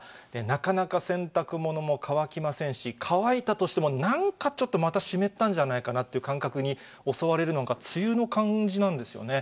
なかなか洗濯物も乾きませんし、乾いたとしても、なんかちょっとまた湿ったんじゃないかなという感覚に襲われるのが梅雨の感じなんですよね。